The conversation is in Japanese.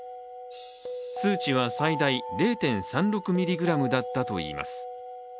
数値は最大０．３６ｍｇだったといいます。